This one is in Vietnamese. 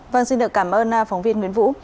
vâng xin được cảm ơn phóng viên nguyễn vũ